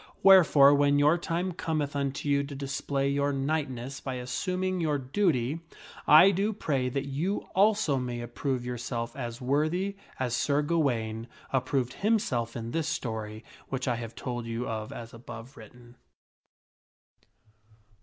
Wherefore, when your time cometh unto you to display your knightness by assuming your duty, I do pray that you also may approve yourself as worthy as Sir Ga waine approved himself in this story which I have told you of as above written.